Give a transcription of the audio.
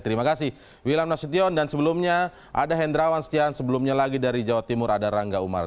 terima kasih wilam nasution dan sebelumnya ada hendrawan setiawan sebelumnya lagi dari jawa timur ada rangga umar